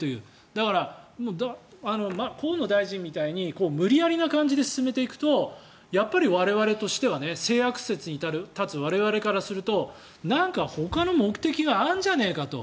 だから、河野大臣みたいに無理やりな感じで進めていくとやっぱり我々としては性悪説に立つ我々からするとなんかほかの目的があるんじゃないかと。